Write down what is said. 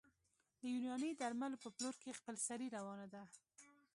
د یوناني درملو په پلور کې خپلسري روانه ده